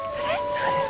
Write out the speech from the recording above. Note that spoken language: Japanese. そうです。